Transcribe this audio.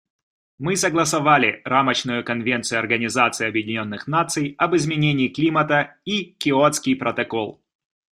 Мы согласовали Рамочную конвенцию Организации Объединенных Наций об изменении климата и Киотский протокол.